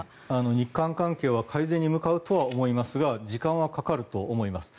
日韓関係は改善に向かうとは思いますが時間はかかると思います。